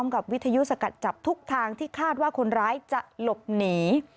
กับวิทยุสกัดจับทุกทางที่คาดว่าคนร้ายจะหลบหนี